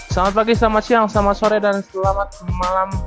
selamat pagi selamat siang selamat sore dan selamat malam